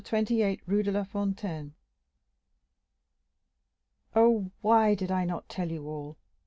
28, Rue de la Fontaine. Oh, why did I not tell you all?